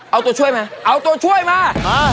เอาตัวช่วยมาเอาตัวช่วยมา